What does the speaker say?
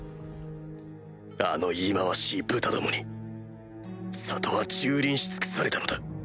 あの忌まわしい豚どもに里は蹂躙し尽くされたのだ。